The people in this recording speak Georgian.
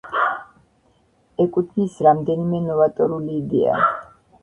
ეკუთვნის რამდენიმე ნოვატორული იდეა.